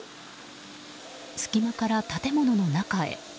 隙間から建物の中へ。